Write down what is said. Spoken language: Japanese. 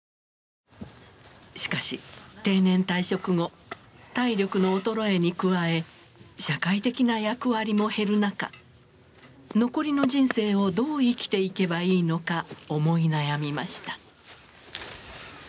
しかし定年退職後体力の衰えに加え社会的な役割も減る中残りの人生をどう生きていけばいいのか思い悩みました。